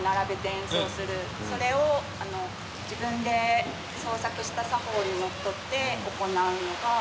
それを自分で創作した作法にのっとって行うのが碗琴道。